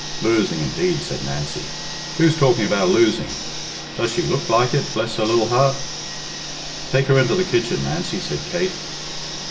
"Losing, indeed!" said Nancy. "Who's talking about losing? Does she look like it, bless her lil heart!" "Take her into the kitchen, Nancy," said Kate.